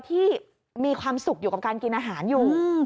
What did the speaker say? ที่มีความสุขอยู่กับการกินอาหารอยู่